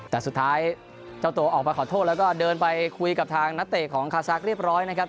แต่สุดท้ายเจ้าตัวออกมาขอโทษแล้วก็เดินไปคุยกับทางนักเตะของคาซักเรียบร้อยนะครับ